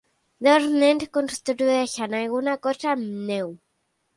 Dos nens construeixen alguna cosa amb neu.